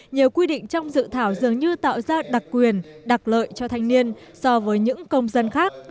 nhiều quy định trong dự thảo dường như tạo ra đặc quyền đặc lợi cho thanh niên so với những công dân khác